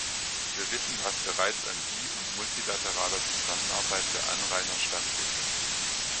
Wir wissen, was bereits an bi- und multilateraler Zusammenarbeit der Anrainer stattfindet.